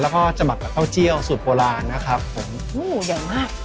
แล้วก็จะหมักกับข้าวเจียวสูตรโปรลานนะครับอู้ใหญ่มาก